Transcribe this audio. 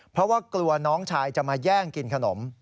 เพราะว่ากลัวน้องชายจะมาแย่งกินขนม